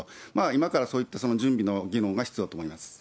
今からそういった準備の技能が必要だと思います。